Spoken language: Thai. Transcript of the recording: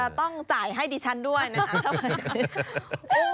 อาจจะต้องจ่ายให้ดิฉันด้วยนะครับ